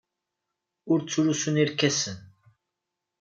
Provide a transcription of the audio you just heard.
Ur ttlusun irkasen.